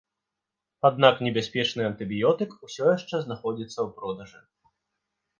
Аднак небяспечны антыбіётык усё яшчэ знаходзіцца ў продажы.